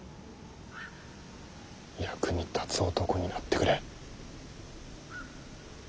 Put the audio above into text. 役に立つ男になってくれ。